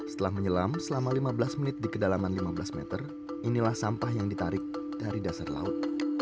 setelah menyelam selama lima belas menit di kedalaman lima belas meter inilah sampah yang ditarik dari dasar laut